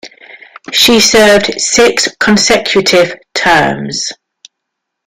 She served six consecutive terms.